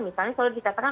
misalnya selalu dikatakan